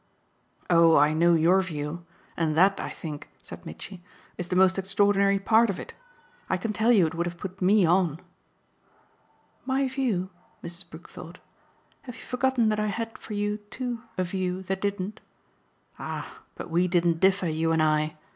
"Oh I know your view, and that, I think," said Mitchy, "is the most extraordinary part of it. I can tell you it would have put ME on." "My view?" Mrs. Brook thought. "Have you forgotten that I had for you too a view that didn't?" "Ah but we didn't differ, you and I.